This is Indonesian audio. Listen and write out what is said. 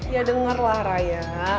ya denger lah raya